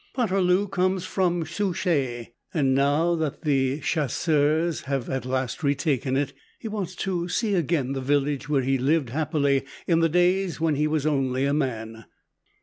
Poterloo comes from Souchez, and now that the Chasseurs have at last retaken it, he wants to see again the village where he lived happily in the days when he was only a man.